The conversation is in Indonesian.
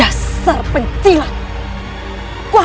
aku akan menghapusmu sekarang